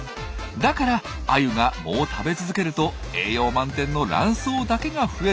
だからアユが藻を食べ続けると栄養満点のラン藻だけが増えていくというわけなんです。